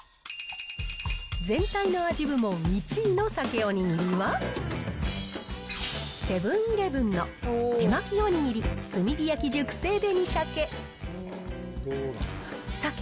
全体の味部門１位のサケお握りは、セブンーイレブンの手巻おにぎり炭火焼熟成紅しゃけ。